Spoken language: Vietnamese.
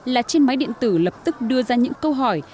là trên máy điện tử lập tức đưa ra những câu hỏi